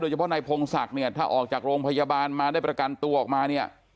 เฉพาะนายพงศักดิ์เนี่ยถ้าออกจากโรงพยาบาลมาได้ประกันตัวออกมาเนี่ย